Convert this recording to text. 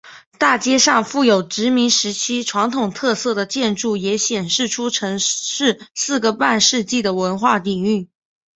大街上富有殖民时期传统特色的建筑也显现出城市四个半世纪的文化底蕴。